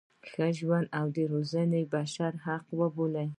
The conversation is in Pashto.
ښه ژوند او روزنه یې بشري حق وبولو.